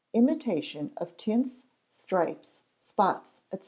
Imitation of Tints, Stripes, Spots, &c.